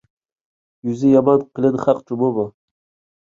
يۈزى يامان قېلىن خەق جۇمۇ بۇ!